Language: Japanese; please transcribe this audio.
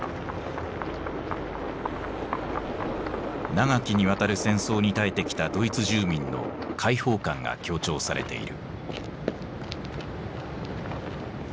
長きにわたる戦争に耐えてきたドイツ住民の解放感が強調されている。